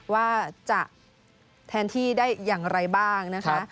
ว่าจะแทนที่ได้อย่างไรบ้างนะคะ